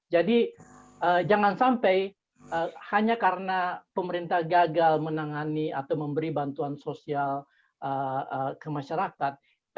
jangan sampai hanya karena pemerintah gagal menangani atau memberi bantuan sosial ke masyarakat